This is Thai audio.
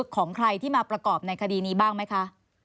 ของใครที่มาประกอบในคดีนี้บ้างไหมคะ